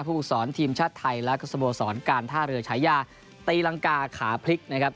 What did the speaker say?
ผู้อุปสรรค์ทีมชาติไทยและกุศโบสรการท่าเรือใช้ยาตีลังกาขาพลิกนะครับ